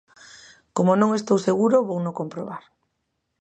Como non estou seguro, vouno comprobar.